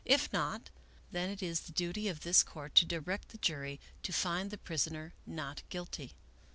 If not, then it is the duty of this Court to direct the jury to find the prisoner not guilty.